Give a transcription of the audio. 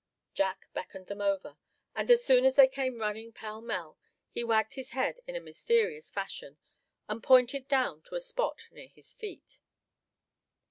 Jack beckoned them over, and as soon as they came running pell mell, he wagged his head in a mysterious fashion, and pointed down to a spot near his feet.